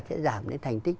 sẽ giảm đến thành tích